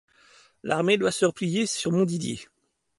La armée doit se replier sur Montdidier.